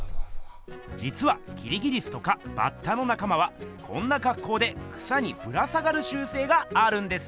じつはきりぎりすとかバッタのなかまはこんなかっこうで草にぶら下がるしゅうせいがあるんです！